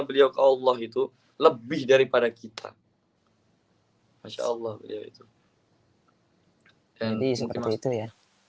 beliau ke allah itu lebih daripada kita hai masya allah begitu hai jadi seperti itu ya